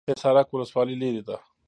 حصارک ولسوالۍ لیرې ده؟